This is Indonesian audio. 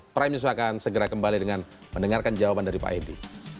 prime news akan segera kembali dengan mendengarkan jawaban dari pak edi